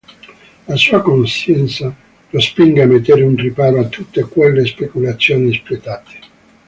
La sua coscienza lo spinge a mettere un riparo a tutte quelle speculazioni spietate.